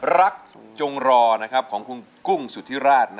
จงรอของคุณกุ้งสุธิราช